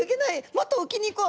もっと沖に行こう！